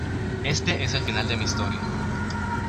Este es el final de mi historia.